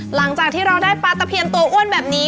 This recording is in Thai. หลังจากที่เราได้ปลาตะเพียนตัวอ้วนแบบนี้